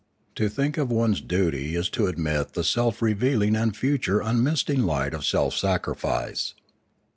To think of one's duty is to admit the self revealing and future unmisting light of self sacrifice.